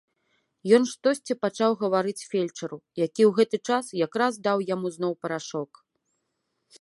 Ён штосьці пачаў гаварыць фельчару, які ў гэты час якраз даў яму зноў парашок.